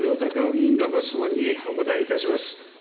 議員のご質問にお答えいたします。